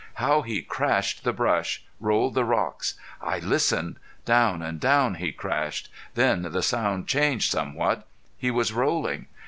How he crashed the brush rolled the rocks! I listened. Down and down he crashed. Then the sound changed somewhat. He was rolling.